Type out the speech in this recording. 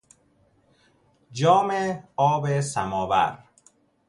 جام آب سماور